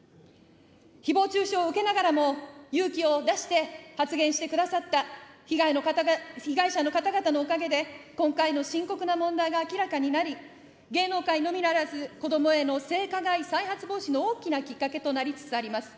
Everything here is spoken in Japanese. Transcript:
ひぼう中傷を受けながらも、勇気を出して、発言してくださった被害者の方々のおかげで、今回の深刻な問題が明らかになり、芸能界のみならず、子どもへの性加害再発防止の大きなきっかけとなりつつあります。